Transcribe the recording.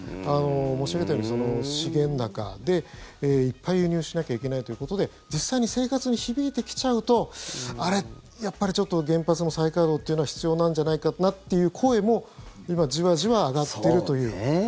申し上げたように資源高でいっぱい輸入しなきゃいけないということで実際に生活に響いてきちゃうとあれ、やっぱり原発の再稼働っていうのは必要なんじゃないかなという声も今、じわじわ上がっているという。